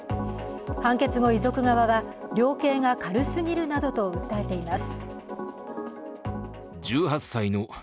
判決後、遺族側は、量刑が軽すぎるなどと訴えています。